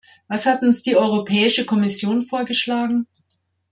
Was hat uns die Europäische Kommission vorgeschlagen?